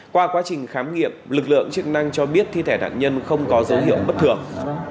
qua quá trình khám nghiệm lực lượng chức năng cho biết thi thể nạn nhân không có dấu hiệu bất thường